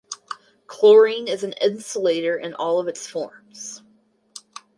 Chlorine is an insulator in all of its forms.